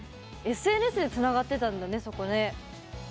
ＳＮＳでつながってたんだね。